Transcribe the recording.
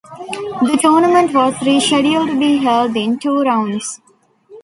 The tournament was rescheduled to be held in two rounds.